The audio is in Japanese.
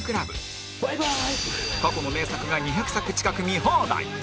過去の名作が２００作近く見放題！